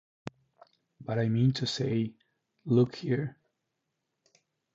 But I mean to say — look here?